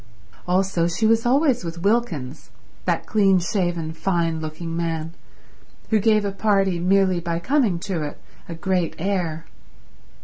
Also she was always with Wilkins, that clean shaven, fine looking man, who gave a party, merely by coming to it, a great air.